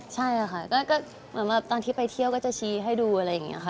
ใช่ค่ะก็เหมือนแบบตอนที่ไปเที่ยวก็จะชี้ให้ดูอะไรอย่างนี้ค่ะ